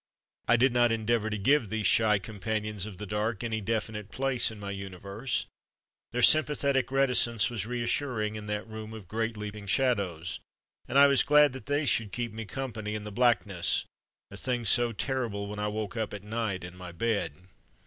I did not endeavour to give these shy companions of the dark any definite place in my universe. Their sympathetic reticence was reassuring in that room of great leaping shadows, and I was glad that they should keep me company in the black ness, a thing so terrible when I woke up at night in my bed.